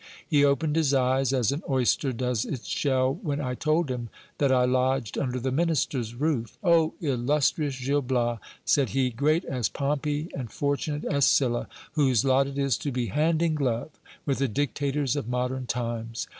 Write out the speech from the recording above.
He opened his eyes as an oyster does its shell, when I told him that I lodged under the minister's roof. O illustrious Gil Bias ! said he, great as Pompey and fortunate as Sylla, whose lot it is to be hand in glove with the dictators of modern times